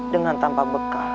dengan tampak bekal